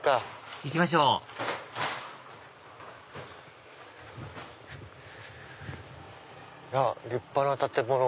行きましょうあっ立派な建物。